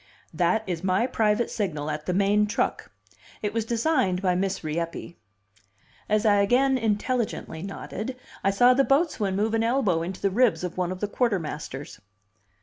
"That is my private signal at the main truck. It was designed by Miss Rieppe." As I again intelligently nodded, I saw the boatswain move an elbow into the ribs of one of the quartermasters.